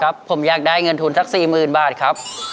ผมอยากได้เงินทุนสัก๔๐๐๐บาทครับ